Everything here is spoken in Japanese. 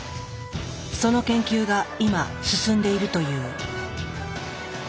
その研究が今進んでいるという。